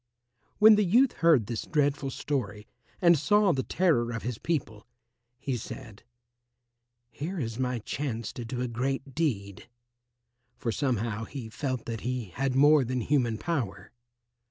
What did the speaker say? When the youth heard this dreadful story and saw the terror of his people, he said, "Here is my chance to do a great deed," for somehow he felt that he had more than human power.